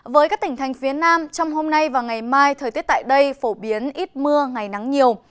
với các tỉnh thành phía nam trong hôm nay và ngày mai thời tiết tại đây phổ biến ít mưa ngày nắng nhiều